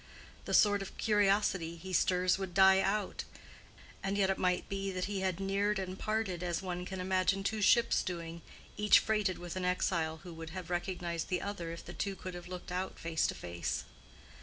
The sort of curiosity he stirs would die out; and yet it might be that he had neared and parted as one can imagine two ships doing, each freighted with an exile who would have recognized the other if the two could have looked out face to face.